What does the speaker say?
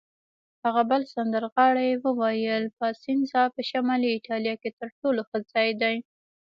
هغه بل سندرغاړي وویل: پایسنزا په شمالي ایټالیا کې تر ټولو ښه ځای دی.